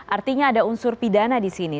artinya ada unsur pidana disini